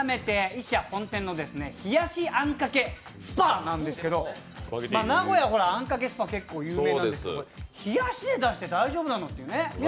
一社本店の冷やしあんかけスパなんですけど、名古屋、あんかけスパ結構有名なんだけど冷やしで出して大丈夫なのと。